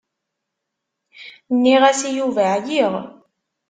Nniɣ-as i Yuba ɛyiɣ.